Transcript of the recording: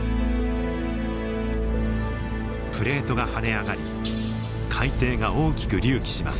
プレートが跳ね上がり海底が大きく隆起します。